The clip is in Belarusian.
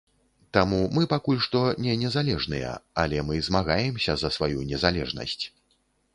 Таму мы пакуль што не незалежныя, але мы змагаемся за сваю незалежнасць.